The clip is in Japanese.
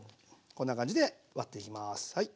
こんな感じで割っていきます。